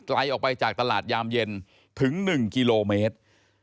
ไกลออกไปจากตลาดยามเย็นถึง๑กิโลเมตร